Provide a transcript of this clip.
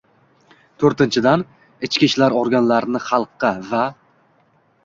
To‘rtinchidan, ichki ishlar organlarini xalqqa va